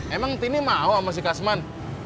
emang ini mau masih kasman